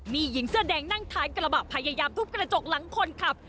มีหญิงเสื้อแดงนั่งท้ายกระบะพยายามทุบกระจกหลังคนขับ